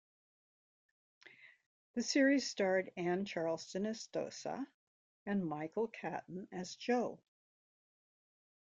The series starred Anne Charleston as Dossa and Michael Caton as Joe.